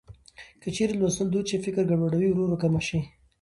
که چېرې لوستل دود شي، فکري ګډوډي ورو ورو کمه شي.